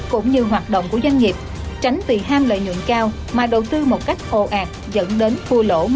cũng như hoạt động của doanh nghiệp